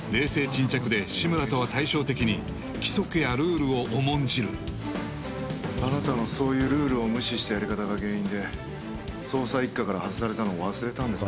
沈着で志村とは対照的に規則やルールを重んじるあなたのそういうルールを無視したやり方が原因で捜査一課から外されたの忘れたんですか？